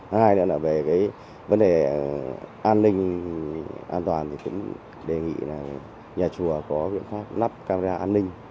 hai nữa là về cái vấn đề an ninh an toàn thì cũng đề nghị là nhà chùa có quyền pháp lắp camera an ninh